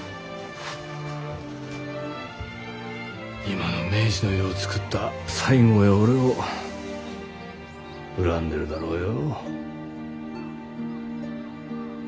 今の明治の世をつくった西郷や俺を恨んでるだろうよ。